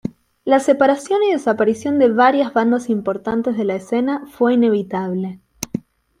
La separación y desaparición de varias bandas importantes de la escena fue inevitable.